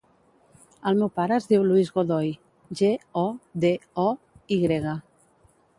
El meu pare es diu Luis Godoy: ge, o, de, o, i grega.